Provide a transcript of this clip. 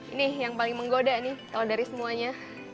ini yang paling menggoda nih kalau dari semuanya